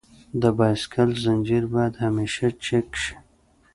د بایسکل زنجیر باید همیشه چک شي.